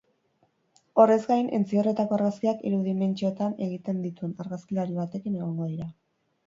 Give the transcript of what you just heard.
Horrez gain, entzierroetako argazkiak hiru dimentsioetan egiten dituen argazkilari batekin egongo dira.